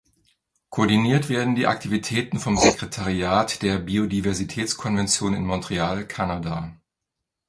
Koordiniert werden die Aktivitäten vom Sekretariat der Biodiversitätskonvention in Montreal, Kanada.